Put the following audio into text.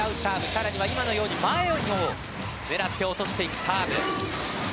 更には今のように前を狙って落としていくサーブ。